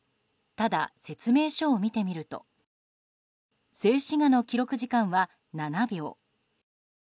ただ、説明書を見てみると静止画の記録時間は７秒。